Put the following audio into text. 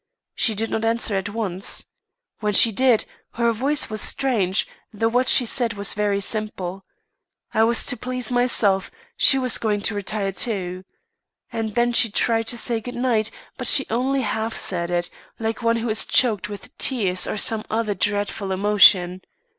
She did not answer at once. When she did, her voice was strange, though what she said was very simple. I was to please myself; she was going to retire, too. And then she tried to say good night, but she only half said it, like one who is choked with tears or some other dreadful emotion.